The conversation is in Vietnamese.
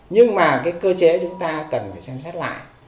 nhưng mà cái cơ chế chúng ta cần phải xem xét lại